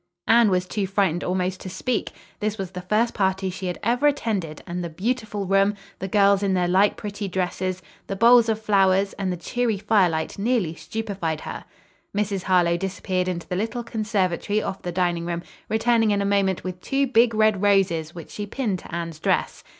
Anne was too frightened almost to speak. This was the first party she had ever attended, and the beautiful room, the girls in their light, pretty dresses, the bowls of flowers and the cheery firelight nearly stupefied her. Mrs. Harlowe disappeared into the little conservatory off the dining room, returning in a moment with two big red roses which she pinned to Anne's dress.